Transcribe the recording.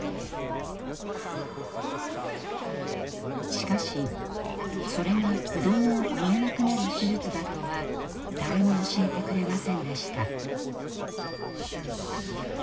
しかしそれが子どもを産めなくなる手術だとは誰も教えてくれませんでした。